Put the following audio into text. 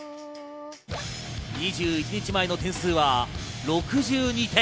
２１日前の点数は６２点。